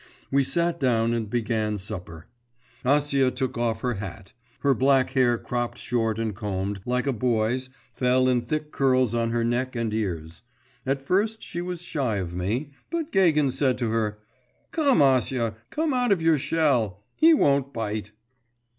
We sat down and began supper. Acia took off her hat; her black hair cropped short and combed, like a boy's, fell in thick curls on her neck and ears. At first she was shy of me; but Gagin said to her 'Come, Acia, come out of your shell! he won't bite.